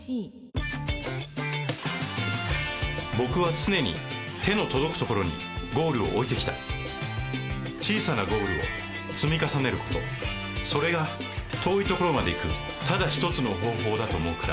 僕は常に手の届くところにゴールを置いてきた小さなゴールを積み重ねることそれが遠いところまで行くただ一つの方法だと思うから